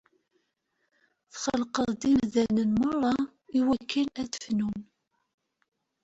Txelqeḍ-d imdanen merra iwakken ad fnun.